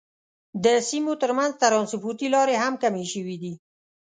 د سیمو تر منځ ترانسپورتي لارې هم کمې شوې دي.